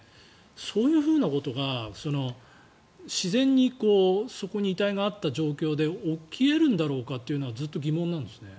そういうふうなことが、自然にそこに遺体があった状況で起き得るんだろうかというのはずっと疑問なんですよね。